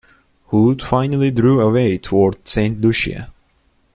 Hood finally drew away toward Saint Lucia.